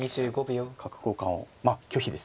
角交換をまあ拒否ですね。